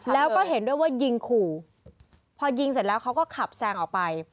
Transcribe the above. แล้วก็เห็นด้วยว่ายิงขู่พอยิงเสร็จแล้วเขาก็ขับแซงออกไป